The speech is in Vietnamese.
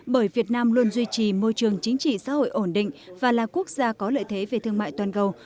bởi việt nam luôn duy trì môi trường chính trị xã hội ổn định và là quốc gia có lợi thế về thương mại toàn cầu